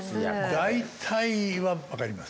大体はわかります。